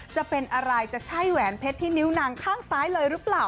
จะเป็นอะไรจะใช่แหวนเพชรที่นิ้วนางข้างซ้ายเลยหรือเปล่า